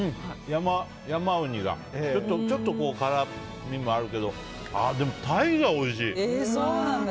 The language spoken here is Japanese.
山うにがちょっと辛みもあるけどもタイがおいしい。